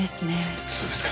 そうですか。